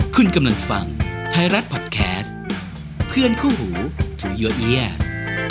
คุณกำลังฟังไทยรัฐพอดแคสต์เพื่อนคู่หูจูโยเอียส